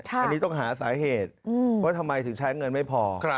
อันนี้ต้องหาสาเหตุว่าทำไมถึงใช้เงินไม่พอ